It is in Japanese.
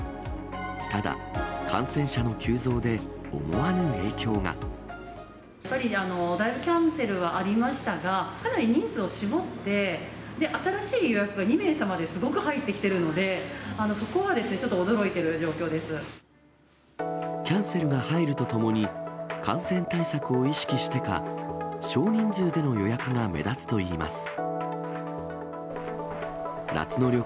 ただ、感染者の急増で思わぬ影響やっぱり、だいぶキャンセルはありましたが、かなり人数を絞って、新しい予約が２名様ですごく入ってきているので、そこはちょっとキャンセルが入るとともに、感染対策を意識してか、少人数での予約が目立つといいます。